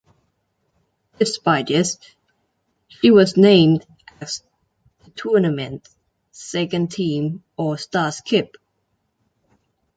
Despite this, she was named as the tournament's second team all-star skip.